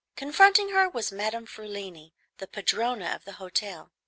Confronting her was Madame Frulini, the padrona of the hotel.